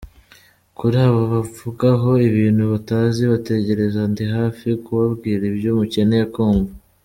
Kuri abo bamvugaho ibintu batazi, bategereze ndi hafi kubabwira ibyo mukeneye kumva.